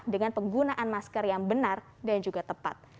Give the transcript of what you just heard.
dan juga untuk menggunakan masker yang benar dan juga tepat